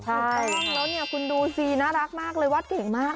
แล้วคุณดูซีน่ารักมากเลยวาดเก่งมาก